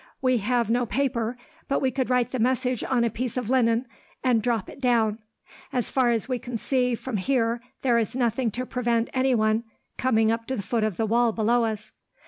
We have no paper, but we could write the message on a piece of linen and drop it down. As far as we can see, from here, there is nothing to prevent anyone coming up to the foot of the wall below us."